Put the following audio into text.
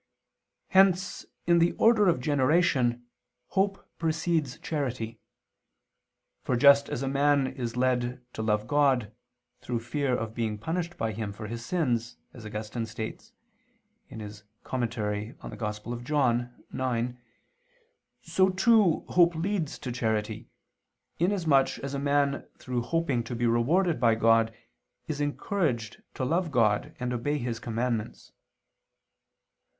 Hence in the order of generation, hope precedes charity. For just as a man is led to love God, through fear of being punished by Him for his sins, as Augustine states (In primam canon. Joan. Tract. ix), so too, hope leads to charity, in as much as a man through hoping to be rewarded by God, is encouraged to love God and obey His commandments.